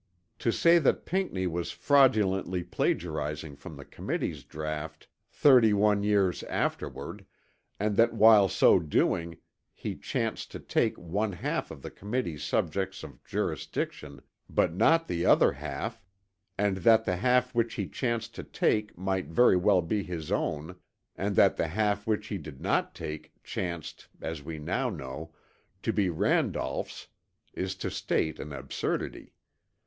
To say that Pinckney was fraudulently plagiarising from the Committee's draught 31 years afterward and that while so doing he chanced to take one half of the Committee's subjects of jurisdiction but not the other half, and that the half which he chanced to take might very well be his own, and that the half which he did not take chanced, as we now know, to be Randolph's is to state an absurdity.